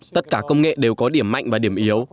tất cả công nghệ đều có điểm mạnh và điểm yếu